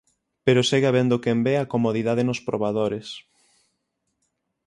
Pero segue habendo quen ve a comodidade nos probadores.